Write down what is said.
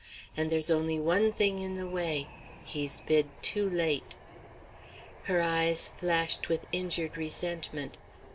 And there's only one thing in the way; he's bid too late." Her eyes flashed with injured resentment.